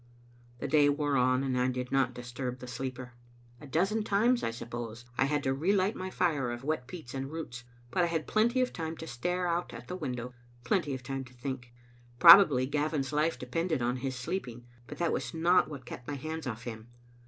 The day wore on, and I did not disturb the sleeper. '■■~" Digitized by VjOOQIC XSbc (3len at JStcaft of 9ae* Ml A dozen times, I suppose, I had to relight my fire of wet peats and roots; but I had plenty of time to stare out at the window, plenty of time to think. Probably Gavin's life depended on his sleeping, but that was not what kept my hands off him.